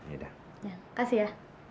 ya kasih ya